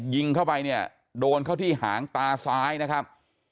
ยิงเข้าไปเนี่ยโดนเข้าที่หางตาซ้ายนะครับ